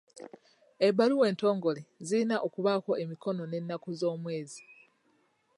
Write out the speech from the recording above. Ebbaluwa entongole zirina okubaako emikono b'ennaku z'omwezi.